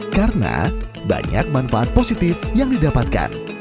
karena banyak manfaat positif yang didapatkan